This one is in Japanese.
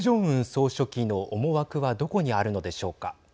総書記の思惑はどこにあるのでしょうか。